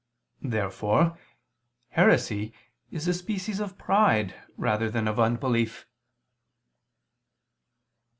Therefore heresy is a species of pride rather than of unbelief.